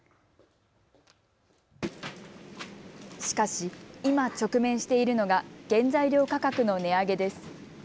しかし、今、直面しているのが原材料価格の値上げです。